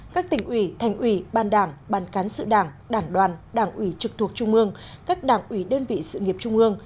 các tỉnh ủy thành ủy ban đảng ban cán sự đảng đảng đoàn đảng ủy trực thuộc trung ương các đảng ủy đơn vị sự nghiệp trung ương